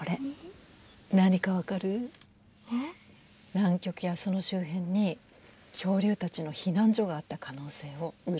南極やその周辺に恐竜たちの避難所があった可能性を裏付ける証拠。